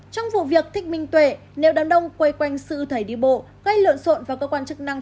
trong vụ việc thích minh tuệ nếu đám đông quay quanh sư thầy đi bộ gây lộn xộn vào cơ quan chức năng